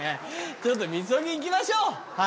ちょっと禊行きましょう。